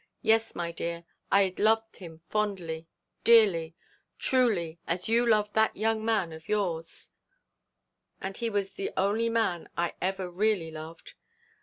Yes, my dear, I loved him fondly, dearly, truly, as you love that young man of yours; and he was the only man I ever really loved.